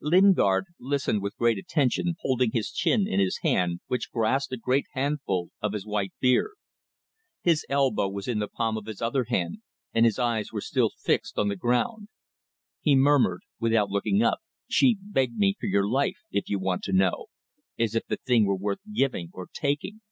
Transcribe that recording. Lingard listened with great attention, holding his chin in his hand, which grasped a great handful of his white beard. His elbow was in the palm of his other hand, and his eyes were still fixed on the ground. He murmured, without looking up "She begged me for your life if you want to know as if the thing were worth giving or taking!"